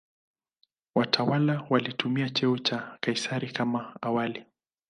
Watawala walitumia cheo cha "Kaisari" kama awali.